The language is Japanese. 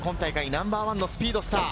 ナンバーワンのスピードスター。